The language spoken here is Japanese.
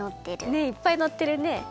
ねっいっぱいのってるね。